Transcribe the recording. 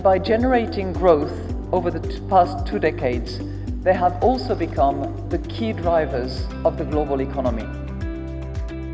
dan dengan menghasilkan kembang selama dua dekade mereka juga menjadi pengembangan utama ekonomi global